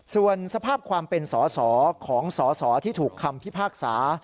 ส่วนสภาพความเป็นสอสอของสอสอที่ถูกคำพิพากษา